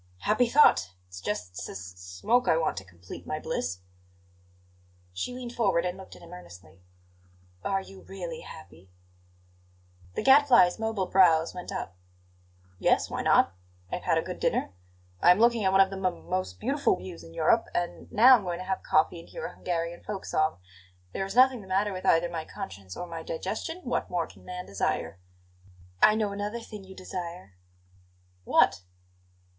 "Happy thought! It's just s s smoke I want to complete my bliss." She leaned forward and looked at him earnestly. "Are you really happy?" The Gadfly's mobile brows went up. "Yes; why not? I have had a good dinner; I am looking at one of the m most beautiful views in Europe; and now I'm going to have coffee and hear a Hungarian folk song. There is nothing the matter with either my conscience or my digestion; what more can man desire?" "I know another thing you desire." "What?"